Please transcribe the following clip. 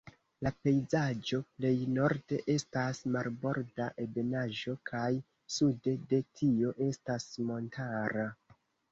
La pejzaĝo plej norde estas marborda ebenaĵo, kaj sude de tio estas montara.